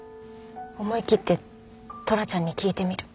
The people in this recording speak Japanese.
思いきってトラちゃんに聞いてみる。